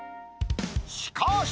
しかし、